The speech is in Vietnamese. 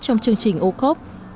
trong chương trình ocob